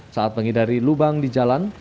saat menghindari lubang di jalan